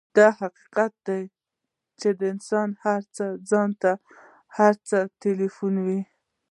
دا يو حقيقت دی چې انسان ځان ته هر څه تلقينوي.